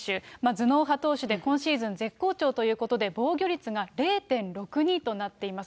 頭脳派投手で今シーズン絶好調ということで、防御率が０．６２となっています。